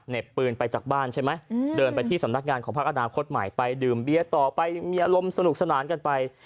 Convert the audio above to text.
ปืนไปจากบ้านใช่ไหมเดินไปที่สำนักงานของพักอนาคตใหม่ไปดื่มเบียร์ต่อไปยังมีอารมณ์สนุกสนานกันไป